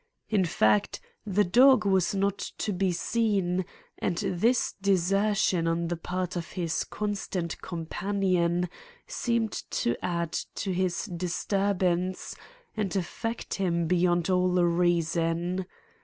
In fact, the dog was not to be seen, and this desertion on the part of his constant companion seemed to add to his disturbance and affect him beyond all reason.